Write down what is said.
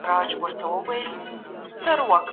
که ږغ هم نه سې پورته کولای